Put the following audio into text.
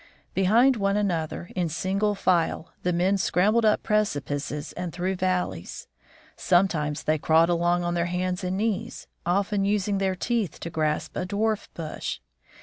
Behind one another, in single file, the men scrambled up precipices and through val leys. Sometimes they crawled along on their hands and knees, often using their teeth to grasp a dwarf bush.